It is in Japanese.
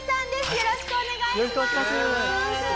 よろしくお願いします。